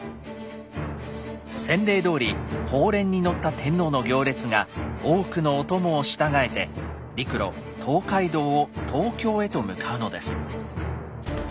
先例どおり鳳輦に乗った天皇の行列が多くのお供を従えて陸路東海道を東京へと向かうのです。